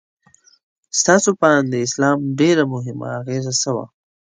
ستاسو په اند د اسلام ډېره مهمه اغیزه څه وه؟